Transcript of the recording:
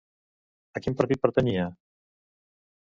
A quin partit pertanyia?